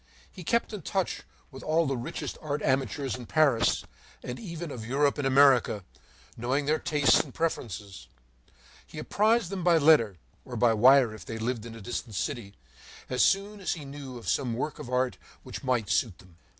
He kept in touch with all the richest art amateurs in Paris, and even of Europe and America, knowing their tastes and preferences; he apprised them by letter, or by wire if they lived in a distant city, as soon as he knew of some work of art which might suit them.